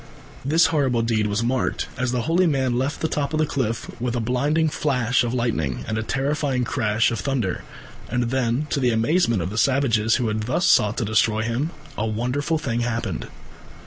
This horrible deed was marked, as the holy man left the top of the cliff, with a blinding flash of lightning and a terrifying crash of thunder, and then, to the amazement of the savages who had thus sought to destroy him, a wonderful thing happened.